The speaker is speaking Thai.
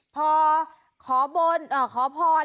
เผาขอบ้นอ่าขอพร